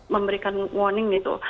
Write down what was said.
memberikan warning gitu